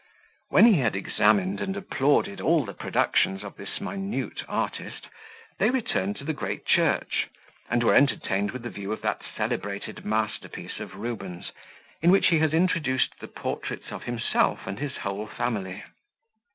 When he had examined and applauded all the productions of this minute artist, they returned to the great church, and were entertained with the view of that celebrated masterpiece of Rubens, in which he has introduced the portraits of himself and his whole family.